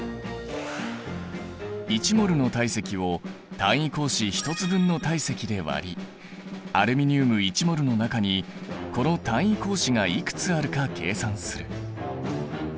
１ｍｏｌの体積を単位格子１つ分の体積で割りアルミニウム１ｍｏｌの中にこの単位格子がいくつあるか計算する。